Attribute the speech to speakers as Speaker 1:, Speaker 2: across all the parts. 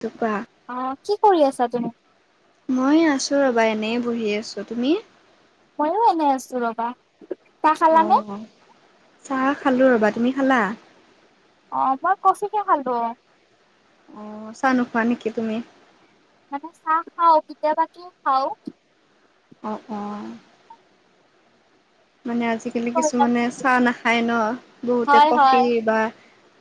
Speaker 1: টোপা
Speaker 2: অ', কি কৰি আছা তুমি?
Speaker 1: মই আছোঁ ৰ'বা, এনেই বহি আছোঁ তুমি।
Speaker 2: ময়ো এনে আছোঁ ৰবা। চাহ খালানে
Speaker 1: অ', চাহ খালো ৰবা, তুমি খালা?
Speaker 2: অ', মই কফিকে খালোঁ।
Speaker 1: অ', চা নোখোৱা নেকি তুমি?
Speaker 2: মানে চাহ খাওঁ, কেতিয়াবা কি খাওঁ।
Speaker 1: অ', অ'। মানে
Speaker 2: কি
Speaker 1: আজিকালি
Speaker 2: কৰিলা
Speaker 1: কিছুমানে চাহ নাখায় ন বহুতে
Speaker 2: হয়
Speaker 1: কফি
Speaker 2: হয়
Speaker 1: বা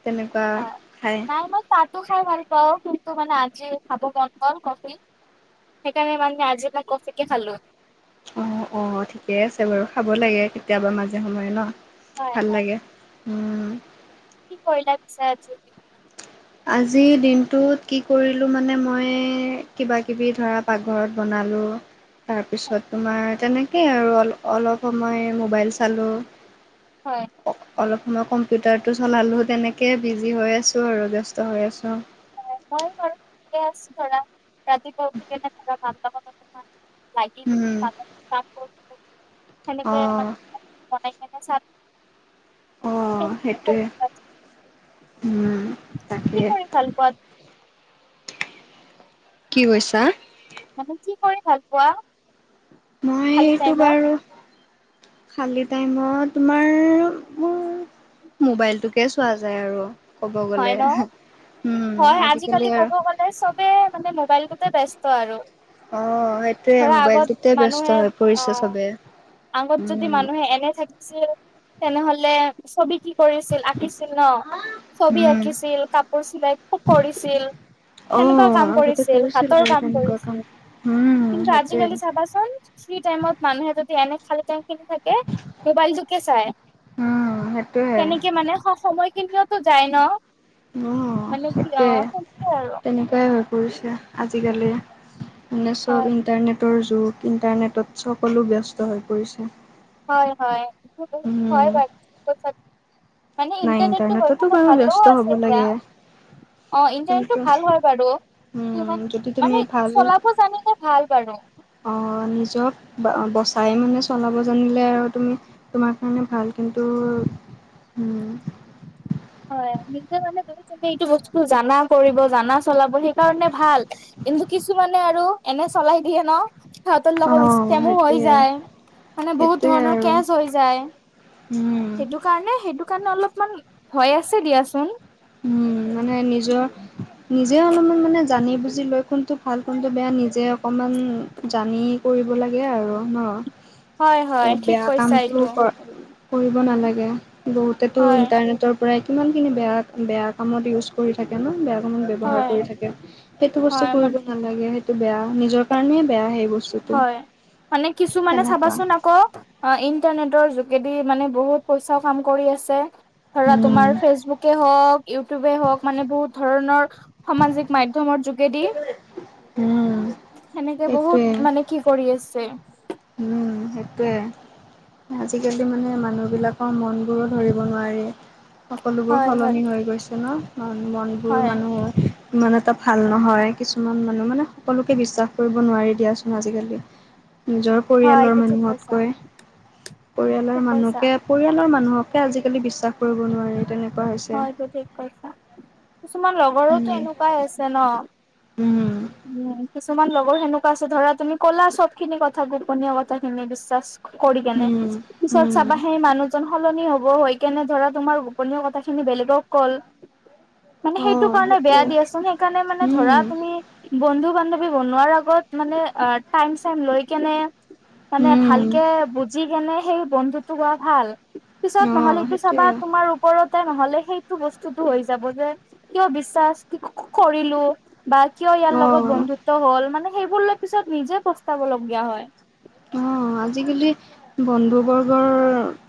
Speaker 1: তেনেকুৱা
Speaker 2: হয়,
Speaker 1: খায়।
Speaker 2: নাই মই চাহতো খাই ভাল পাওঁ, কিন্তু মানে আজি খাব মন গ'ল কফি। সেইকাৰণে মানে আজি মই কফিকে খালোঁ।
Speaker 1: অ', অ', ঠিকে আছে বাৰু খাব লাগে কেতিয়াবা মাজে সময়ে ন
Speaker 2: হয়
Speaker 1: ভাল লাগে। উম
Speaker 2: কি কৰিলা পিছা আজি?
Speaker 1: আজিৰ দিনটোত কি কৰিলোঁ মানে মই কিবাকিবি, ধৰা পাকঘৰত বনালোঁ। তাৰপিছত তোমাৰ তেনেকেই আৰু অল, অলপ সময় মোবাইল চালোঁ।
Speaker 2: হয়।
Speaker 1: অলপ সময় কম্পিউটাৰটো চলালোঁ তেনেকৈ বিজি হৈ আছোঁ আৰু ব্যস্ত হৈ আছোঁ।
Speaker 2: মই ঘৰে আছোঁ ধৰা ৰাতিপুৱা উঠি কেনে ধৰা ভাল লগ কথা।
Speaker 1: উম অঁ
Speaker 2: [unintelligible] বনাই কিনে
Speaker 1: অঁ
Speaker 2: [inaudible]
Speaker 1: সেইটোৱে, হুম‌ তাকে।
Speaker 2: চালপত
Speaker 1: কি কৈছা?
Speaker 2: মানে কি কৰি ভাল পোৱা?
Speaker 1: মই
Speaker 2: খালী
Speaker 1: এইটো
Speaker 2: টাইমত
Speaker 1: বাৰু খালী টাইমত, তোমাৰ মোৰ মোবাইলটোকে চোৱা যায়, আৰু ক'ব
Speaker 2: হয়
Speaker 1: গ'লে।
Speaker 2: ন?
Speaker 1: উম
Speaker 2: হয়, আজিকালি
Speaker 1: আৰু
Speaker 2: ক'ব গ'লে চবে মানে মোবাইলটোতে ব্যস্ত আৰু।
Speaker 1: অ', সেইটোয়ে
Speaker 2: ধৰা আগত
Speaker 1: মোবাইলটোতে ব্যস্ত
Speaker 2: মানুহে
Speaker 1: হৈ পৰিছে
Speaker 2: অ'
Speaker 1: চবে।
Speaker 2: আগত যদি
Speaker 1: উম
Speaker 2: মানুহে এনে থাকিছিল, তেনেহ'লে ছবি কৰিছিল। আঁকিছিল ন, ছবি
Speaker 1: উম
Speaker 2: আঁকিছিল কাপোৰ চিলাই কৰিছিল।
Speaker 1: অ
Speaker 2: সেনেকুৱা কাম
Speaker 1: আগতে
Speaker 2: কৰিছিল হাতৰ
Speaker 1: বাৰু
Speaker 2: কাম
Speaker 1: তেনেকুৱা কাম
Speaker 2: কৰিছিল
Speaker 1: উম
Speaker 2: কিন্তু
Speaker 1: সেইটোৱে
Speaker 2: আজিকালি চাবাচোন ফ্ৰী টাইমত মানুহে যদি এনে খালি টাইম থাকে মোবাইল তোকে চাই
Speaker 1: উম সেইটোয়ে
Speaker 2: তেনেকে মানে স সময় খিনিয় তো যাই ন।
Speaker 1: অ',
Speaker 2: মানে কি
Speaker 1: সেইটোয়ে
Speaker 2: অ' সেইটোৱে আৰু
Speaker 1: তেনেকুৱাই হ'ল। কৰিছে আজিকালি মানে
Speaker 2: হয়।
Speaker 1: চব ইণ্টাৰনেটৰ যুগ। ইণ্টাৰনেটত সকলো ব্যস্ত হৈ পৰিছে।
Speaker 2: হয়, হয় বত
Speaker 1: উম
Speaker 2: হয় বাৰু। মানে
Speaker 1: নাই
Speaker 2: ইণ্টাৰনেটটো হৈ
Speaker 1: ইণ্টাৰনেটতো বাৰু ব্যস্ত
Speaker 2: ভাল আছে
Speaker 1: হ'ব
Speaker 2: এতিয়া
Speaker 1: লাগে
Speaker 2: অ', ইণ্টাৰনেটটো
Speaker 1: কিন্তু
Speaker 2: ভাল হয়। বাৰু তো
Speaker 1: উম
Speaker 2: ইমান
Speaker 1: যদি তুমি
Speaker 2: মানে চলাব জানিলে ভাল বাৰু।
Speaker 1: অ', নিজক বচাই মানে চলাব জানিলে আৰু তুমি তোমাৰ কাৰণে ভাল কিন্তু উ
Speaker 2: হয় নিজে মানে গ তুমি এইটো বস্তু জানা কৰিব জানা চলাব সেইকাৰণে ভাল। কিন্তু কিছুমানে আৰু এনে চলাই দিয়ে ন। সাহতৰ
Speaker 1: অ
Speaker 2: লগতষ্টেমো হৈ
Speaker 1: সেইটোৱে
Speaker 2: যায় মানে বহুত
Speaker 1: সেইটোৱে
Speaker 2: ধৰণৰ
Speaker 1: আৰু
Speaker 2: কেচ হৈ যায়।
Speaker 1: উম।
Speaker 2: সেইটো কাৰণে সেইটো কাৰণে অলপমান ভয় আছে দিয়াচোন।
Speaker 1: উম মানে নিজৰ। নিজে অলমান মানে জানি বুজি লৈ কোনটো ভাল কোনটো বেয়া নিজে অকণমান। জানি কৰিব লাগে আৰু ন
Speaker 2: হয় হয় ঠিক
Speaker 1: বেয়া
Speaker 2: কৈছা
Speaker 1: কামটো
Speaker 2: এইটো
Speaker 1: কৰ। কৰিব নালাগে বহুতেতো
Speaker 2: হয়
Speaker 1: ইণ্টাৰনেটৰ পৰাই কিমানখিনি বেয়া বেয়া কামত ইউজ কৰি থাকে ন বেয়া কামত ব্যৱহাৰ
Speaker 2: হয়
Speaker 1: কৰি থাকে সেইটো বস্তু
Speaker 2: হয় মান
Speaker 1: কৰিব নালাগে সেইটো বেয়া নিজৰ কাৰণে বেয়া সেই বস্তু
Speaker 2: হয় মানে কিছু মানে চাবাচোন আকৌ। অহ ইণ্টাৰনেটৰ যোগেদি মানে বহুত পইচাও কাম কৰি আছে। ধৰা
Speaker 1: উম
Speaker 2: তোমাৰ ফেচবুকে হওঁক ইউটিউবে হওঁক মানে বহুত ধৰণৰ। সামাজিক মাধ্যমৰ যোগেদি।
Speaker 1: উম।
Speaker 2: সেনেকে বহুত
Speaker 1: সেইটোৱে
Speaker 2: মানে কি কৰি আছে।
Speaker 1: উম সেইটোৱে। আজিকালি মানে মানুহ বিলাকৰ মন বোৰো ধৰিব নোৱাৰি। সকলোবোৰ
Speaker 2: হয় হয়
Speaker 1: সলনি হৈ গৈছে ন মানুহ মনবোৰ
Speaker 2: হয়
Speaker 1: মানুহৰ। ইমান এটা ভাল নহয় কিছুমান মানুহ মানে সকলোকে বিশ্বাস কৰিব নোৱাৰি দিয়াচোন আজিকালি। নিজৰ
Speaker 2: হয়
Speaker 1: পৰিয়ালৰ
Speaker 2: এইটো ঠিক কৈছা
Speaker 1: মানুহতকৈ পৰিয়ালৰ
Speaker 2: ঠিক কৈছা
Speaker 1: মানুহকে। পৰিয়ালৰ মানুহকে আজিকালি বিশ্বাস কৰিব নোৱাৰে তেনে।
Speaker 2: হয়তো ঠিক কৈছা কিছুমান লগৰোতো
Speaker 1: উম,
Speaker 2: এনেকুৱাই আছে ন।
Speaker 1: উম,
Speaker 2: যোৱাই। কিছুমান লগৰ সেনেকুৱা আছে ধৰা তুমি ক'লা চব খিনি কথা গোপনীয় কথা খিনি বিশ্বাস কৰি কেনে
Speaker 1: উম,
Speaker 2: পিছত
Speaker 1: উম,
Speaker 2: চাবা সেই মানুহজন সলনি হব হৈ কেনে ধৰা তোমাৰ গোপনীয় কথা খিনি বেলেগক কল মানে সেইটো
Speaker 1: অ',
Speaker 2: কাৰণে বেয়া
Speaker 1: সেইটোৱে।
Speaker 2: দিয়াচোন সেইকাৰণে মানে ধৰা।
Speaker 1: উম,
Speaker 2: তুমি বন্ধু বান্ধৱী বনোৱাৰ আগত মান অ টাইম চাইম লৈ কেনে মানে
Speaker 1: উম,
Speaker 2: ভালকে বুজি কেনে সেই বন্ধুতো গড় ভাল। পিছত নহ'লে
Speaker 1: অ',
Speaker 2: এইটো চাবা
Speaker 1: সেইটোৱে
Speaker 2: তোমাৰ। তে নহলে সেইটো বস্তুতো হৈ যাব যে কিয় বিশ্বাস ক ক ক কৰিলো বা কিয় ইয়াৰ লগত
Speaker 1: অ'।
Speaker 2: বন্ধুত্ব হল মানে সেইবোৰ লৈ পিছত নিজে পস্তাবলগীয়া হয়।
Speaker 1: অহ আজিকালি। বন্ধু বৰ্গৰ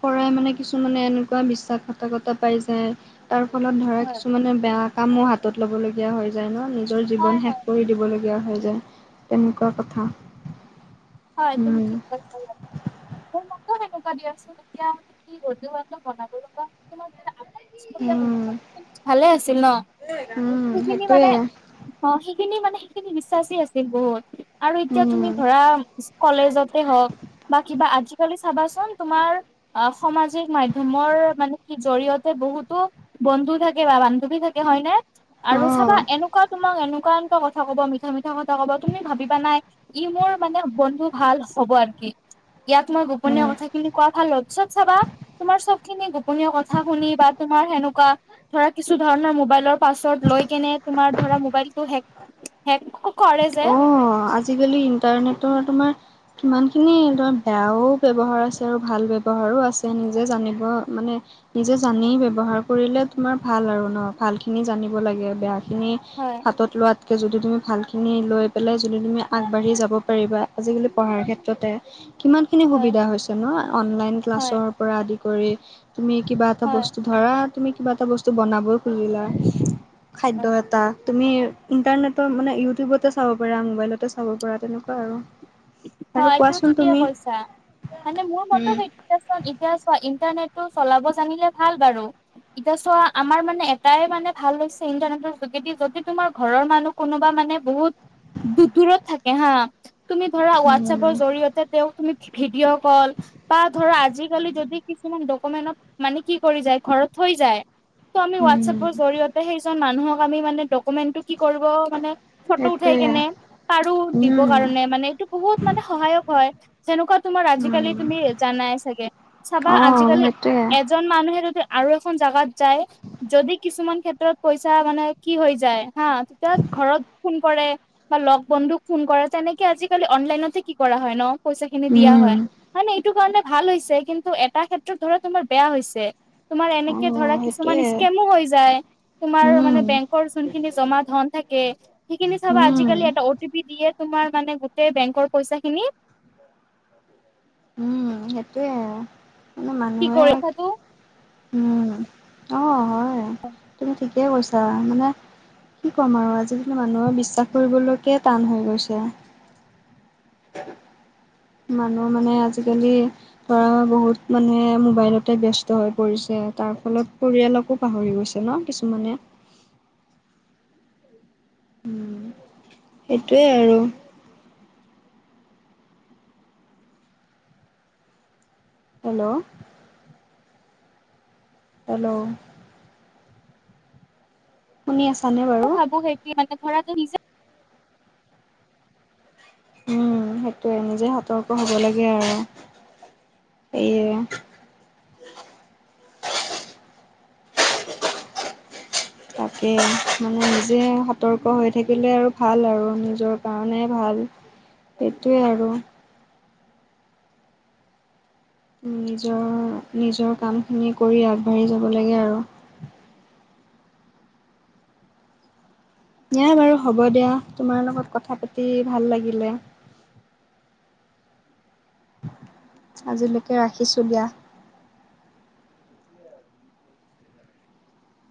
Speaker 1: পৰাই মানে কিছুমানে এনেকুৱা বিশ্বাস ঘাটকতা পায় যায়। তাৰ ফলত ধৰা
Speaker 2: হয়,
Speaker 1: কিছুমানে বেয়া কামো হাতত লব লগীয়া হৈ যায় ন নিচ নিজৰ
Speaker 2: হয়,
Speaker 1: জীৱন শেষ
Speaker 2: হয়,
Speaker 1: কৰি দিবলগীয়া হয় যেন তেনেকুৱা কথা।
Speaker 2: হয় তুমি
Speaker 1: উম।
Speaker 2: ঠিক কৈছা ইয়াত। কিয় সেনেকুৱা দিয়া চোন এতিয়া কৰি গধূলি হোৱাকে বনাব লগা কিছুমান আমাৰ। ইস্পষ্টহে আও
Speaker 1: উম,
Speaker 2: ভালে আছিল ন
Speaker 1: উম,
Speaker 2: সেইখিনি
Speaker 1: সেইটোৱে
Speaker 2: মানে। অহ সেইখিনি মানে সেইখিনি বিশ্বাসেই আছিল বহুত আৰু এতিয়া তুমি
Speaker 1: উম,
Speaker 2: ধৰা। ইস্ক কলেজতে হওঁক বা কিবা আজিকালি চাবাচোন তোমাৰ। অ সামাজিক মাধ্যমৰ মানে কি জৰিয়তে বহুতো। বন্ধু থাকে বা বান্ধৱী থাকে হয় নে আৰু চাবা
Speaker 1: অ',
Speaker 2: এনে কুৱা তোমাক এনেকুৱা এনেকুৱা কথা কব মিঠা মিঠা কথা কব তুমি ভাবিবা নাই ই মোৰ মানে। বন্ধু ভাল হ'ব আন কি ইয়াত তোমাৰ গোপনীয়
Speaker 1: উম।
Speaker 2: কথাখিনি কোৱা ভাল লগ পিছত চাবা তোমাৰ চব খিনি গোপনীয় কথা শুনি বা তোমাৰ সেনেকুৱা। ধৰা কিছু ধৰণৰ মোবাইলৰ। পাছৱৰ্ড লৈ কেনে তোমাৰ ধৰা মোবাইলটো হেক হেক কৰে যে।
Speaker 1: অ' আজিকালি ইণ্টাৰনেটৰ তোমাৰ। সমানখিনি ধৰা বেয়াও ব্যৱহাৰ আছে আৰু ভাল ব্যৱহাৰো আছে। নিজে জানিব মানে- নিজে জানি ব্যৱহাৰ কৰিলে তোমাৰ ভাল আৰু ন' ভালখিনি জানিব লাগে, বেয়াখিনি-
Speaker 2: হয়।
Speaker 1: হাতত লোৱাতকে যদি তুমি ভাল খিনি লৈ পেলাই যদি তুমি আগবাঢ়ি যাব পাৰিবা, আজিকালি পঢ়াৰ ক্ষেত্ৰতে কিমান- খিনি
Speaker 2: হয়,
Speaker 1: সুবিধা হৈছে ন', অনলাইন
Speaker 2: হয়,
Speaker 1: ক্লাছৰপৰা আদি কৰি তুমি কিবা এটা
Speaker 2: হয়,
Speaker 1: বস্তু ধৰা তুমি কিবা এটা বস্তু বনাবই খুজিলা, খাদ্য এটা তুমি ইণ্টাৰনেটৰ মানে ইউটিউবতে চাব পাৰা, মোবাইলতে চাব পাৰা তেনেকুৱা আৰু। আৰু
Speaker 2: হয়, এইটো
Speaker 1: কোৱাচোন
Speaker 2: ঠিকেই
Speaker 1: তুমি
Speaker 2: কৈছা, মানে মোৰ মত সেইটো তেচোন এতিয়া চোৱা ইণ্টাৰনেটটো চলাব জানিলে ভাল বাৰু। এতিয়া চোৱা আমাৰ মানে এটাই মানে ভাল হৈছে ইণ্টাৰনেটৰ যোগেদি যদি তোমাৰ ঘৰৰ মানুহ কোনোবা মানে বহুত দূৰ-দূৰত থাকে হা? তুমি ধৰা হোৱাটছএপৰ
Speaker 1: উম
Speaker 2: জৰিয়তে তেওঁক তুমি ভিডিঅ' কল বা ধৰ আজিকালি যদি কিছুমান ডকুমেন্টত মানে কি কৰি যায়, ঘৰত থৈ যায় ত' আমি
Speaker 1: উম
Speaker 2: হোৱাটছএপৰ জৰিয়তে সেইজন মানুহক আমি মানে ডকুমেন্টো কি কৰিব মানে ফটো উঠাই
Speaker 1: সেইটোৱে
Speaker 2: কেনে, পাৰো দিব
Speaker 1: উম
Speaker 2: কাৰণে, মানে এইটো বহুত মানে সহায়ক হয়, যেনেকুৱা তোমাৰ আজিকালি
Speaker 1: উম
Speaker 2: তুমি জানাই চাগে চাবা
Speaker 1: অ
Speaker 2: আজিকালি
Speaker 1: সেইটোৱে
Speaker 2: এজন মানুহে যদি আৰু এখন জাগাত যায় যদি কিছুমান ক্ষেত্ৰত পইচা মানে কি হৈ যায় হা, তেতিয়া ঘৰত ফোন কৰে। বা লগ বন্ধুক ফোন কৰে তেনেকে আজি কালি অনলাইনতে কি কৰা হয় ন' পইচাখিনি দিয়া
Speaker 1: উম
Speaker 2: হয় মানে। টো কাৰণে ভাল হৈছে কিন্তু এটা ক্ষেত্ৰত ধৰা তোমাৰ বেয়া হৈছে। তোমাৰ
Speaker 1: অ
Speaker 2: এনেকে ধৰা
Speaker 1: সেইটোৱে
Speaker 2: কিছুমান স্কেমো হৈ যায়। তোমাৰ মানে
Speaker 1: উম
Speaker 2: বেংকৰ যোনখিনি জমা ধন থাকে, সেইখিনি চাবা
Speaker 1: উম
Speaker 2: আজিকালি এটা অ' টি পি দিয়ে তোমাৰ মানে গোটেই বেংকৰ পইচাখিনি
Speaker 1: উম, সেইটোৱে আৰু, মানে
Speaker 2: কি
Speaker 1: মানুহে
Speaker 2: কৰি কথাটো
Speaker 1: উম, অ' হয় তুমি ঠিকেই কৈছা, মানে কি ক'ম আৰু আজিকালি মানুহৰ বিশ্বাস কৰিবলৈকে টান হৈ গৈছে। মানুহৰ মানে আজিকালি ধৰা বহুত মানুহে মোবাইলতে ব্যস্ত হৈ পৰিছে তাৰফলত পৰিয়ালকো পাহৰি গৈছে ন' কিছুমানে? উম, সেইটোৱে আৰু। হেল্ল'। হেল্ল'। শুনি আছানে বাৰু?
Speaker 2: কি মানে ধৰাটো নিজে
Speaker 1: উম, সেইটয়ে নিজে সতৰ্ক হ'ব লাগে আৰু, সেইয়ে তাকে মানে নিজে সতৰ্ক হৈ থাকিলে আৰু ভাল, আৰু নিজৰ কাৰণে ভাল। সেইটোৱে আৰু। নিজৰ নিজৰ কামখিনি কৰি আগবাঢ়ি যাব লাগে আৰু। দিয়া বাৰু হ'ব দিয়া, তোমাৰ লগত কথা পাতি ভাল লাগিলে। আজিলৈকে ৰাখিছোঁ দিয়া।